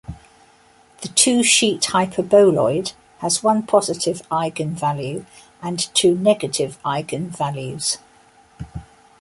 The two-sheet hyperboloid has one positive eigenvalue and two negative eigenvalues.